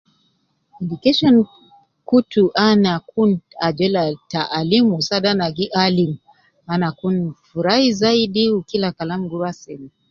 Education kutu ana kun ajol al ta alimu, saade ana gi alimu, ana kun furayi zadi wu kila kalam gu ruwa seme.